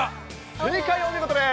正解、お見事です。